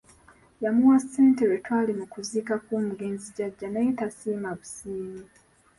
Yamuwa ssente lwe twali mu kuziika kw’omugenzi jjajja naye tasiima busiimi.